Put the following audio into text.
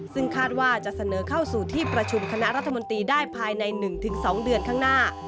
ซึ่งคาดว่าจะเสนอเข้าสู่ที่ประชุมคณะรัฐมนตรีได้ภายใน๑๒เดือนข้างหน้า